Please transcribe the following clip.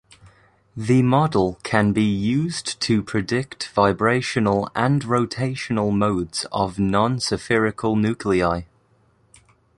The model can be used to predict vibrational and rotational modes of non-spherical nuclei.